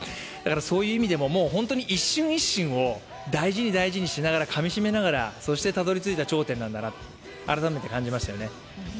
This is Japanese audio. そういう意味でも、本当に一瞬一瞬を大事に大事にしながら、かみしめながらそしてたどり着いた頂点なんだなと改めて感じましたよね。